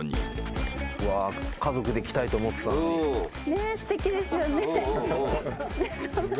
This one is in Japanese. ねえすてきですよね。